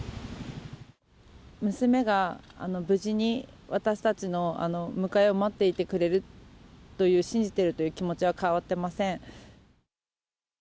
娘が無事に私たちの迎えを待っていてくれるという、信じてるという気持ちは変わってません。